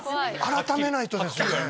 改めないとですよね。